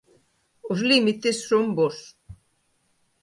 Os límites son bos.